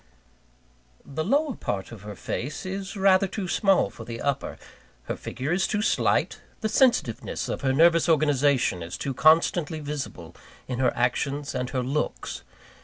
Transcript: The lower part of her face is rather too small for the upper, her figure is too slight, the sensitiveness of her nervous organization is too constantly visible in her actions and her looks.